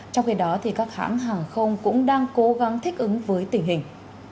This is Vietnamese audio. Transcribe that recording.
trong khi đó các hãng hàng không cũng đang cố gắng thích ứng với tình hình